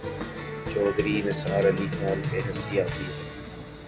چوہدری نثار علی خان پہ ہنسی آتی ہے۔